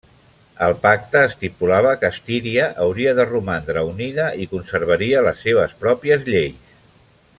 El pacte estipulava que Estíria hauria de romandre unida i conservaria les seves pròpies lleis.